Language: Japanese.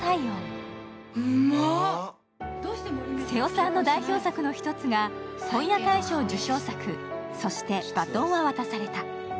瀬尾さんの代表作の一つが本屋大賞受賞作、「そして、バトンは渡された」。